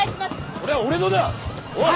それは俺のだ！